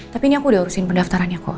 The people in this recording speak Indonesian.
tapi ini aku udah urusin pendaftarannya kok